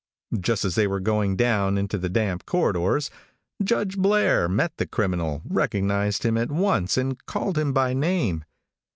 Just as they were going down into the damp corridors, Judge Blair met the criminal, recognized him at once and called him by name.